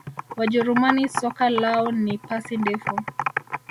wajerumani soka lao ni pasi ndefu